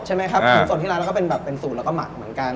หมูสดที่ร้านแล้วก็เป็นสูตรแล้วก็หมักเหมือนกัน